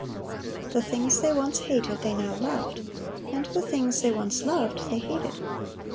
The things they once hated, they now loved; and the things they once loved, they hated.